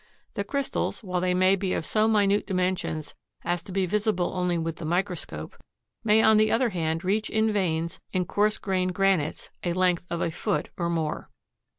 The crystals, while they may be of so minute dimensions as to be visible only with the microscope, may on the other hand reach in veins in coarse grained granites a length of a foot or more.